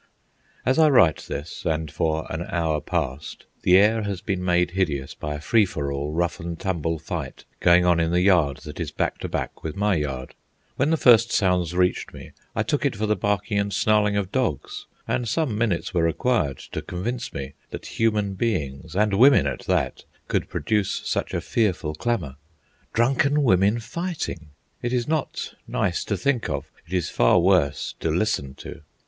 As I write this, and for an hour past, the air has been made hideous by a free for all, rough and tumble fight going on in the yard that is back to back with my yard. When the first sounds reached me I took it for the barking and snarling of dogs, and some minutes were required to convince me that human beings, and women at that, could produce such a fearful clamour. Drunken women fighting! It is not nice to think of; it is far worse to listen to.